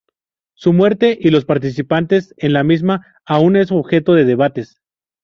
Su muerte y los participantes en la misma, aún es objeto de debates.